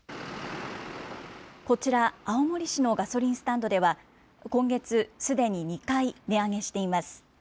こちら、青森市のガソリンスタンドでは今月、すでに２回値上げしています。